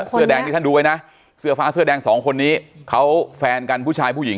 เสื้อแดงที่ท่านดูไว้นะเสื้อฟ้าเสื้อแดงสองคนนี้เขาแฟนกันผู้ชายผู้หญิง